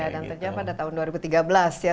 dan ternyata pada tahun dua ribu tiga belas ya